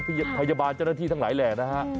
พยาบาลเจ้าหน้าที่ทั้งหลายแหล่นะฮะ